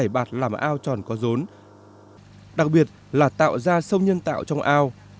bạt làm ao tròn có rốn đặc biệt là tạo ra sông nhân tạo trong ao